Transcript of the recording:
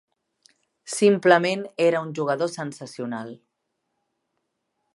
Simplement era un jugador sensacional.